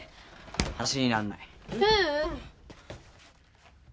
話になんない。